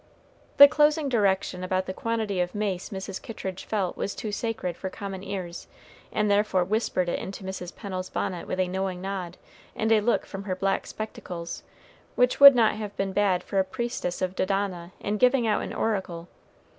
The closing direction about the quantity of mace Mrs. Kittridge felt was too sacred for common ears, and therefore whispered it into Mrs. Pennel's bonnet with a knowing nod and a look from her black spectacles which would not have been bad for a priestess of Dodona in giving out an oracle.